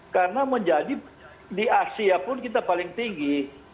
karena menjadi di asia pun kita paling tinggi